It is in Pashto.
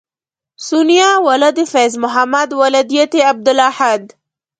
سونیا ولد فیض محمد ولدیت عبدالاحد